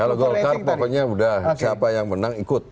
kalau golkar pokoknya udah siapa yang menang ikut